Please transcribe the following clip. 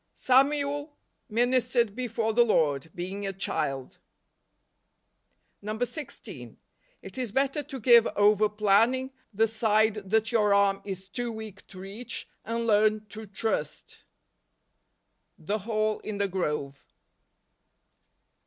" Samuel ministered before the Lord , being a child." 16. It is better to give over planning the side that your arm is too weak to reach, and learn to trust. The Hall in the Grove.